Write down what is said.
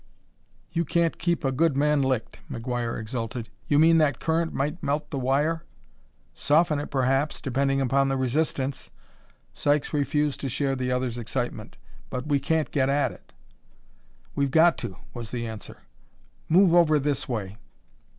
"You can't keep a good man licked!" McGuire exulted. "You mean that the current might melt the wire?" "Soften it, perhaps, depending upon the resistance." Sykes refused to share the other's excitement. "But we can't get at it." "We've got to," was the answer. "Move over this way."